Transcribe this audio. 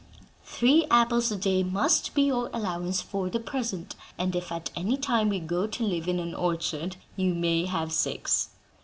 Three apples a day must be your allowance for the present; and if at any time we go to live in an orchard, you may have six."